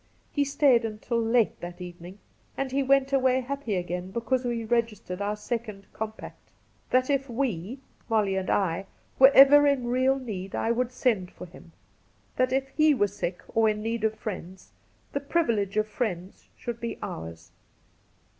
He stayed until late that evening ; and he went away happy again because we registered our second compact : that if we (Molly and I) were ever in real need I would send for him ; that if he were sick or in need of friends the privilege of friends should be ours.'